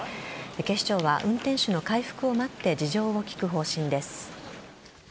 警視庁は運転手の回復を待って事情を聴く方針です。